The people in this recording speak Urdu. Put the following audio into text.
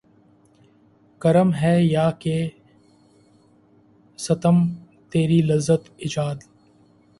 کرم ہے یا کہ ستم تیری لذت ایجاد